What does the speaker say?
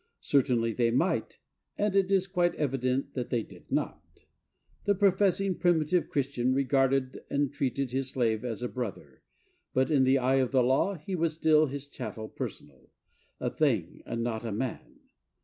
Certainly they might, and it is quite evident that they did not. The professing primitive Christian regarded and treated his slave as a brother, but in the eye of the law he was still his chattel personal,—a thing, and not a man.